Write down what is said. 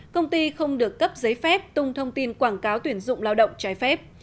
công ty không được cấp giấy phép tung thông tin quảng cáo tuyển dụng lao động trái phép